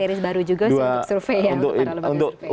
dan materi baru juga sih untuk survei ya